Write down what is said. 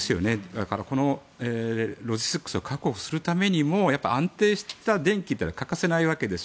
だから、このロジスティックスを確保するためにも安定した電気というのは欠かせないわけです。